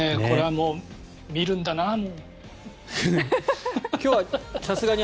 これはもう見るんだな。